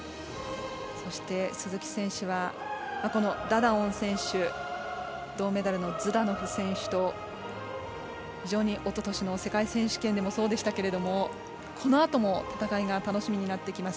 そして、鈴木選手はこのダダオン選手銅メダルのズダノフ選手とおとといの世界選手権でもそうでしたけれどもこのあとも戦いが楽しみになってきます。